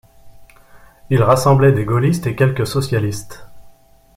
Il rassemblait des gaullistes et quelques socialistes.